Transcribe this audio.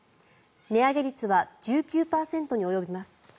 値上げ率は１９％に及びます。